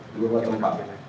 di beberapa tempat